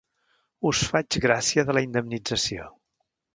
Us faig gràcia de la indemnització.